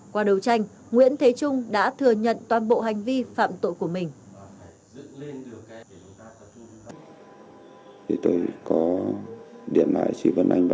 qua đấu tranh nguyễn thế trung đã thừa nhận toàn bộ hành vi phạm tội của mình